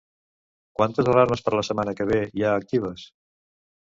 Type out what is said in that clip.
Quantes alarmes per la setmana que ve hi ha actives?